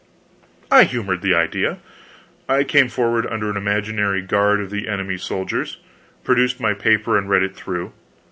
I humored the idea. I came forward under an imaginary guard of the enemy's soldiers, produced my paper, and read it through.